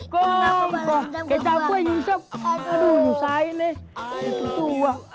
kok kecap gue nyusap aduh nyusain deh